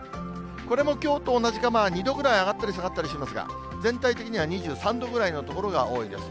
これもきょうと同じか、２度ぐらい上がったり下がったりしますが、全体的には２３度ぐらいの所が多いです。